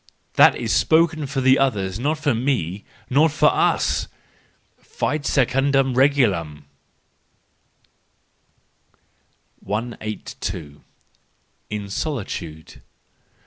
That is spoken for the others; not for me, not for us! —Fit secundum regulamP 182. In Solitude.